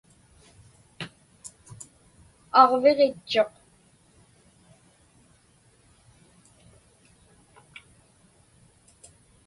Aġviġitchuq.